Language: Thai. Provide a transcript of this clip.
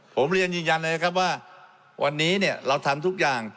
ผมเรียนยืนยันเลยนะครับว่าวันนี้เราทำทุกอย่าง